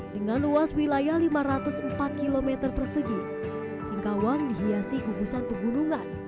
dengan luas wilayah lima ratus empat km persegi singkawang dihiasi gugusan pegunungan